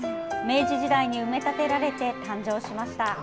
明治時代に埋め立てられて誕生しました。